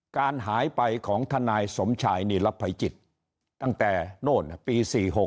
การหายไปของทนายสมชายนิรภัยจิตตั้งแต่โน่นปี๔๖